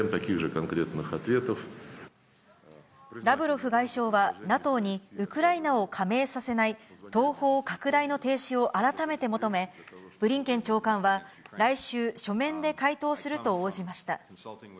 ラブロフ外相は、ＮＡＴＯにウクライナを加盟させない東方拡大の停止を改めて求め、ブリンケン長官は、来週、書面で回答すると応じました。